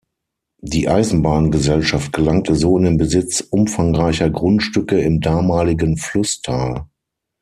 Die Eisenbahngesellschaft gelangte so in den Besitz umfangreicher Grundstücke im damaligen Flusstal.